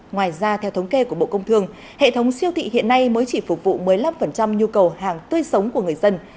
ngoài ra theo thống kê của bộ công thương hệ thống siêu thị hiện nay mới chỉ phục vụ một mươi năm nhu cầu hàng tươi sống của người dân